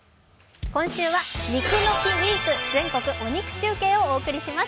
今週は肉の日ウイーク、全国お肉中継をお送りします。